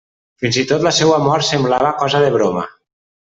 Fins i tot la seua mort semblava cosa de broma.